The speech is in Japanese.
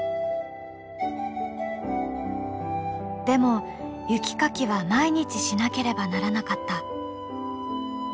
でも雪かきは毎日しなければならなかった。